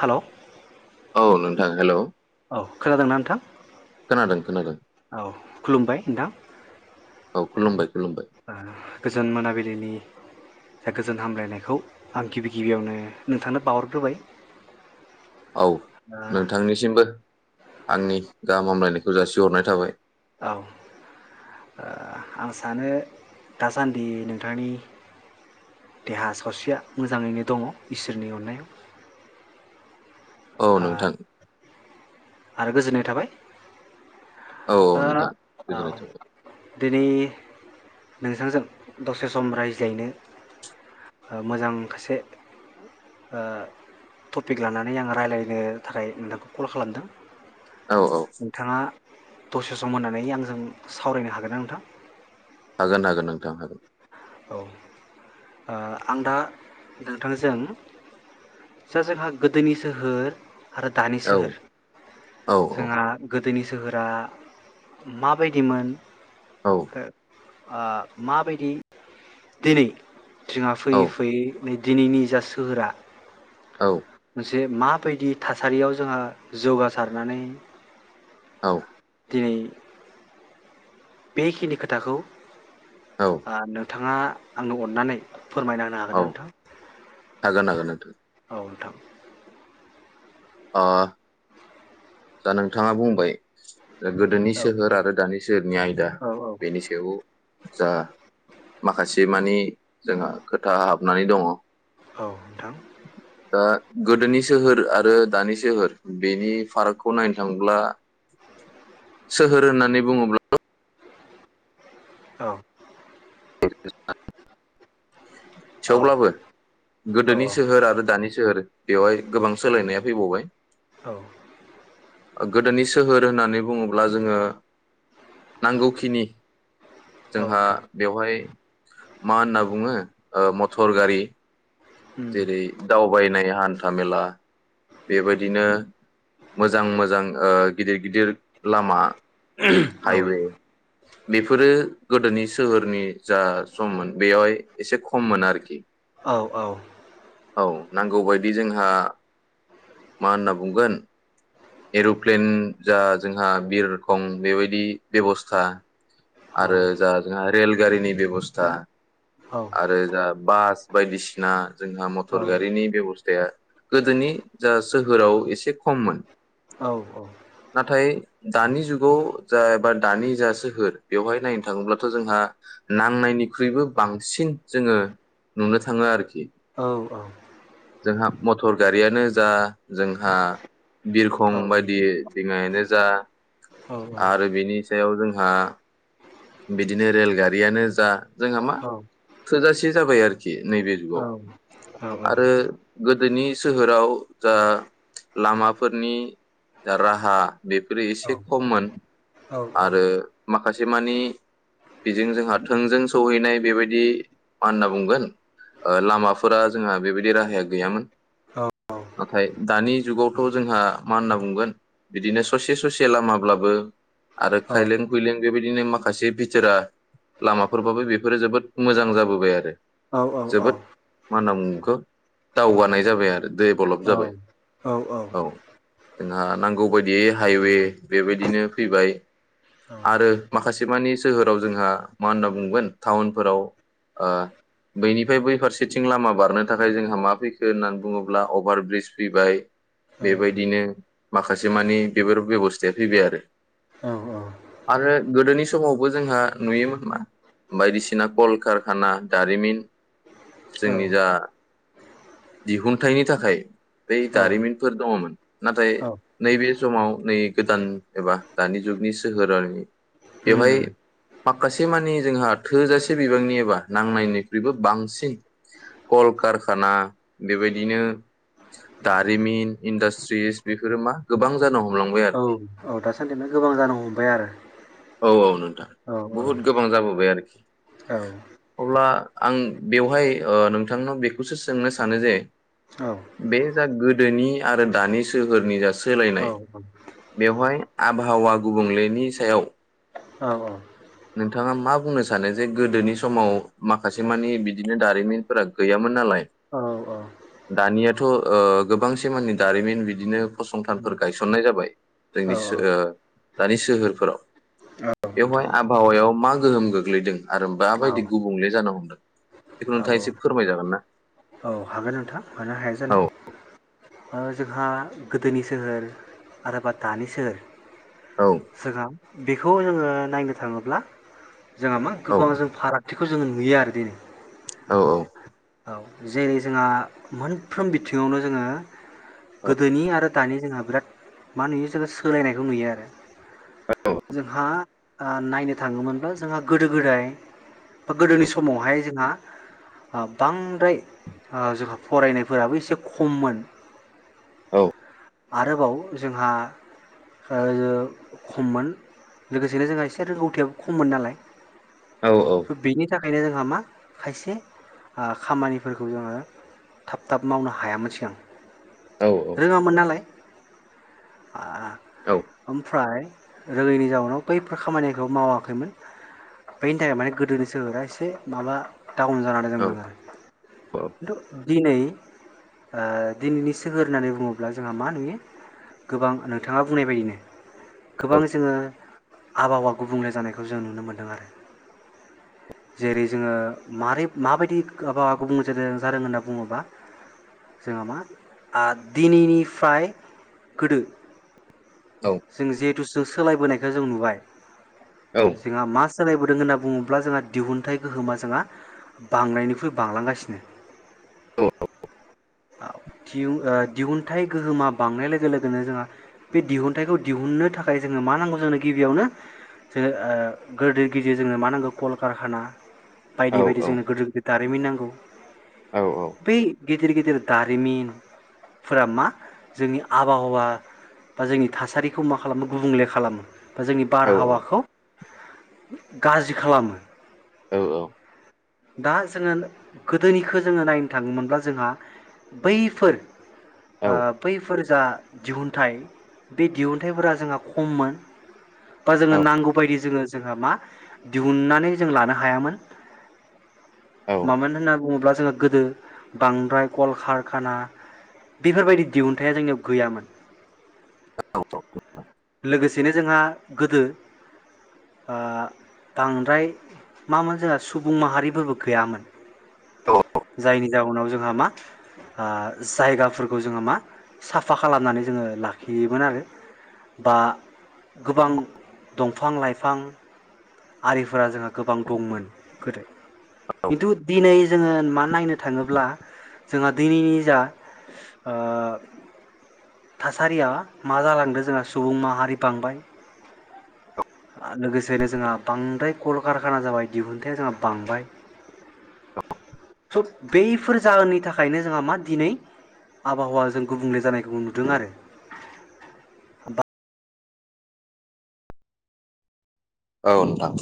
Hello औ नोंथां hello औ खोनादोंना नोंथां? खोनादों खोनादों औ खुलुमबाय नोंथां खलुमबाय ओ गोजोन मोनाबिलिनि गोजोन हामलायनायखौ आं गिबि गिबियावनो नोंथांनो बावहरग्रोबाय। औ ओ नोंथांनिसिमबो आंनि गाहाम हामलायनायखौ जासिहरनाय थाबाय। औ ओ आं सानो दासान्दि नोंथांनि देहा सावस्रिया मोजांङैनो दंङ इसोरनि अननायाव। औ ओ नोंथां। आरो गोजोननाय थाबाय। औ औ ओ नोंथां औ गोजोननाय थाबाय। दिनै नोंथांजों दसे सम रायज्लायनो ओ मोजां खासे ओ टपिक लानानै आं रायज्लायनो थाखाय नोंथांखौ कल खालामदों। औ औ नोंथांङा दसे सम होनानै आंजों सावरायनो हागोनना नोंथां? हागोन हागोन नोंथां हागोन। औ ओ आं दा नोंथांजों [unintelligible] गोदोनि सोहोर आरो दानि औ सोहोर औ जोंहा गो दोनि सोहोरा माबायदिमोन औ आरो ओ माबायदि दिनै जोंहा औ फैयै फैयै नै दिनैनि जा सोहोरा औ जे माबायदि थासारियाव जोंहा जौगासारनानै‌ औ दिनै बेखिनि खोथाखौ औ आ नों नोंथाङा आंनो अननानै फोरमायना होनो हागोन औ ना नोंथां हागोन हागोन नोंथां औ नोंथां ओ दा नोंथाङा बुंबाय ओ गोदोनि सोहोर आरो दानि सोहोरनि आयदा औ औ बेनि सायाव जा माखासे मानि जोंहा खोथा हाबनानै दङ औ नोंथां दा गोदोनि सोहोर आरो दानि सोहोर बेनि फाराग खौ नायनो थांब्ला सोहोर होननानै बुङोब्ला औ [unintelligible] औ थेवब्लाबो औ गोदोनि सोहोर आरो दानि सो होर बेवहाय गोबां सोलायनाया फैबावबाय। औ ओ गोदोनि सोहोर होननानै बुङोब्ला जोंङो नांगौखिनि औ जोंहा नोंथां बेवहाय मा होनना बुङो ओ मटर गारि उम जेरै दावबायनाय हा न्थामेला बेबायदिनो मोजां मोजां ओ गिदिर-गिदिर लामा औ हाइवे बेफोरो गोदोनि सोहोरनि जा सममोन बेयावहाय एसे खममोन आरोखि। औ औ औ नांगौबायदि जोंहा मा होनना बुंगोन एर'प्लेन जा जोंहा बिरखं बेबायदि बेबस्था औ आरो जाहाज जोंहाय रेलगारिनि बेब'स्था औ आरो जा बास बायदिसिना जोंहा मटर गारिनि बेब'स्थाया गोदोनि जा सोहोराव एसे खममोन औ औ नाथाय दानि जुगाव जा एबा दानि जा सोहोर बेवहाय नायनो थाङोब्लाथ' जोंहा नांनायनिख्रुइबो बांसिन जोंङो नुनो थाङो आरोखि जोंहा मटर गारियानो जा जोंहा बिरखं बायदि दिङायानो जा आरो बेनि सायाव जोंहा बिदिनो रेलगारियानो जा जोंहा मा थोजासे जाबाय आरोखि नैबे जुगाव आरो गोदोनि सोहोराव जा लामाफोरनि जा राहा बेफोरो एसे खममोन औ औ औ आरो माखासे मानि बिजों जोंहा थोंजों सौहैनाय बेबायदि मा होनना बुंगोन ओ लामाफोरा जोंहा बेबायदि राहाया गैयामोन नाथाय दानि जुगावथ' जोंहा मा होनना बुंगोन बिदिनो ससे-ससे लामाब्लाबो आरो खायलें खुयलें बेबायदिनो माखासे भिथोरा लामाफोरबाबो बेफोरो जोबोद मोजां जाबोबाय आरो। औ औ जोबोद औ मा होनना बुंङो बेखौ दावगानाय जाबाय आरो देभलप जाबाय औ जोंहा नांगौ बायदियै हाइवे बेबायदिनो फैबाय। आरो माखासे मानि सोहोराव जोंहा मा होनना बुंगोन टाउनफोराव बैनिफ्राय बै फारसेथिं लामा बारनो थाखाय जोंहा मा फैखो होननानै बुङोब्ला अभार ब्रिज फैबाय बेबायदिनो माखासे मानि बेफोर बेबस्थाया फैबाय आरो। आरो गोदोनि समावबो जोंहा नुयोमोन मा बायदिसिना कल कारखाना दारिमिन जोंनि जा दिहुनथाइनि थाखाय बै जारिमिनफोर दङमोन नाथाय नैबे समाव नै गोदान एबा दानि जुगनि सोहरारि उम बेवहाय माखासे मानि जोंहा थोजासे बिबांनि एबा नांनायनिख्रुइबो बांसिन कल कारखाना बेबायदिनो दारिमिन इन्डास्ट्रिस बेफोरो मा गोबां जानो ह औ औ दासान्दि गोबां जानांगौ बाय आरो औ औ नोंथां औ बुहुद गोबां जाबोबाय आरोखि औ अब्ला आं बेवहाय नोंथांनाव बेखौसो सोंनो सानो जे औ बे जा गोदोनि आरो दानि सोहोरनि जा सोलायनाय औ बेवहाय आबहावा गुबुंलेनि सायाव औ औ नोंथाङा मा बुंनो सानो जे गोदोनि समाव माखासे मानि बिदिनो दारिमिनफोरा गैयामोन नालाय औ औ दानियाथ' गोबांसे मानानि दारिमिन बिदिनो उम फसंथानफोर गायसननाय जाबाय औ जोंनि दानि सोहोरफोराव औ नोंथां बेवहाय आबहावायाव मा गोहोम गोग्लैदों? आरो औ औ माबायदि गुबुंले जानो हम बेखौ औ नोंथाङा एसे फोरमायजागोन ना? औ हागोन नोंथां मानो हाया औ जानो जोंहा गोदोनि सोहोर आरोबा दानि सोहोर औ जोंहा बेखौ जोङो नायनो थाङोब्ला जोंहा मा औ गोबां जों फारागथि बेखौ जोङो नुयो आरो दिनै औ औ औ जेरै जोंहा मोनफ्रोम बिथिङावनो जोङो गोदोनि आरो दानि जोंहा बिराद मा नुयो जोङो सोलायनायखौ नुयो आरो जोंहा नायनो थाङोमोनब्ला जोंहा गोदो गोदाय बा गोदोनि समावहाय जोंहा बांद्राय जोंहा फरायनायफोराबो एसे खममोन औ आरोबाव जोंहा खममोन लोगोसेनो जोंहा एसे रोंगौथियाबो खममोन नालाय औ औ बिनि थाखायनो जोंहा मा खायसे खामानिफोरखौ खौ जोङो थाब थाब मावनो हायामोन सिगां औ रोङामोन नालाय औ ओमफ्राय रोङैनि जाउनाव बैफोर खामानिखौ मावाखैमोन बेनि थाखाय माने गोदोनि सोहोरा एसे माबा डाउन जानानै जों मोनो खिन्थु दिनै दिनैनि सोहोर होननानै बुङोब्ला जोंहा मा नुयो गोबां नोंथाङा बुंनाय बायदिनो गोबां जोङो आबहावा गुबुंले जानायखौ जों नुनो मोनदों आरो जेरै जोङो मारै माबायदि आबहावा गुब जादों जादों होनना बुङोबा जोङहा मा दिनैनिफ्राय गोदो जों जे सु सोलायबोनायखौ जों नुबाय औ सिंङा मास सोलायबोदों होनना बुङोब्ला जोंहा दिहुनथाइ गोहोमा जोंहा बांनायनिख्रुइ बांलांगासिनो औ दिहु दिहुनथाइ गोहोमा बांनाय लोगो लोगोनो जोंहा बे दिहुनथाइखौ दिहुननो थाखाय जोङो मा नांगौ जोंनो गिबियावनो जोङो गोदिर गिदिर जोंनो मा नांगौ कलकारखाना बायदि बायदि जोंनो गोदोर गोदाद रेमि नांगौ बेै गिदिर गिदिर दारिमिनफोरा मा जोंनि आबहावा बा जोंनि थासारिखौ मा खालामो गुबुंले खालामो बा जोंनि औ बारहावाखौ गाज्रि खालामो औ औ दा जोङो गोदोनिखौ जोङो नायनो थाङोमोनब्ला जोंहा बैफोर बैफोर जा दिहुनथाइ बे दिहुनथाइफोरा जोंहा खममोन बा जोङो नांगौ बायदि जोङो जोंहा मा दिहुननानै जों लानो हायामोन मामोन होनना बुङोब्ला जों गोदो बांद्राइ गलखारि खाना बेफोर बाइदि दिहुनथाइ जोंनाव गैयामोन लोगोसे जोंहा गोदो बांद्राइ मामोन जोंहा सुबुंमाहा फोरबो गैयामोन जायनि जहोनाव जोंहा मा जायगाफोरखौ जोंहा मा साफा खालामनानै जोङो लाखियोमोन आरो बा गोबां दंफां लाइफां आरिफोरा जोंहा गोबां दंमोन गोदो खिन्थु दिनै जोङो मा नायनो थाङोब्ला जोंहा दिनैनि जा थासारिया मा जालांदों जोंहा सुबुं माहारि बांबाय आ लोगोसेनो जोंहा बांद्राय कलकारखाना जाबाय दिहुनथाइा जोंहा बांबाय स' बैफोर जाहोननि थाखायनो जोंहा मा दिनै आबहावा जों गुबुंले जानायखौ नुदों आरो बा औ नोंथां